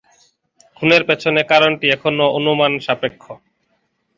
খুনের পেছনে কারণটি এখনও অনুমান সাপেক্ষ।